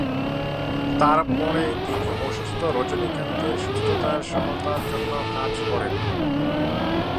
তারপরে তিনি অসুস্থ রজনীকান্তের সুস্থতায় সহায়তার জন্য কাজ করেন।